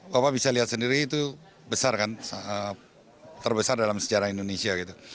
bapak bisa lihat sendiri itu besar kan terbesar dalam sejarah indonesia gitu